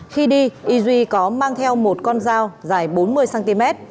khi đi y duy có mang theo một con dao dài bốn mươi cm